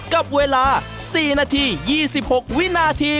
กับเวลา๔นาที๒๖วินาที